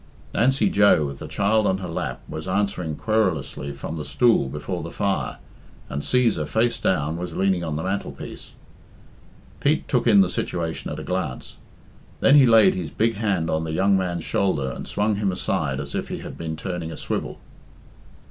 Nancy Joe, with the child on her lap, was answering querulously from the stool before the fire, and Cæsar, face down, was leaning on the mantelpiece. Pete took in the situation at a glance. Then he laid his big hand on the young man's shoulder and swung him aside as if he had been turning a swivel.